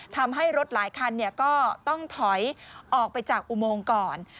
ทำให้รถหลายคันก็ต้องถอยออกไปจากอุโมงก่อน